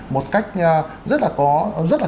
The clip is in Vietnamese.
một cách rất là có rất là